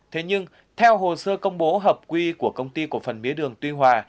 thế nhưng theo hồ sơ công bố hợp quy của công ty cổ phần mía đường tuy hòa